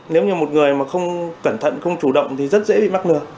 nếu như một người mà không cẩn thận không chủ động thì rất dễ bị mắc lừa